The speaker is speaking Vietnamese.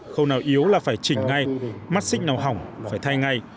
khâu nào yếu là phải chỉnh ngay mắt xích nào hỏng phải thay ngay